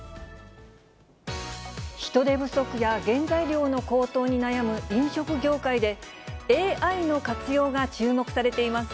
人手不足や原材料の高騰に悩む飲食業界で、ＡＩの活用が注目されています。